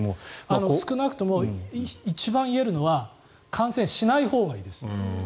少なくとも一番言えるのは感染しないほうがいいです。